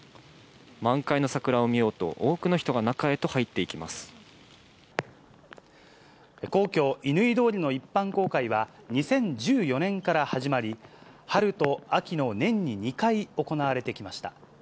満開の桜を見ようと、皇居・乾通りの一般公開は、２０１４年から始まり、春と秋の年に２回行われてきました。